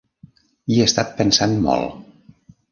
Hi he estat pensant molt.